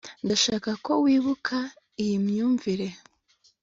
ndashaka ko wibuka iyi myumvire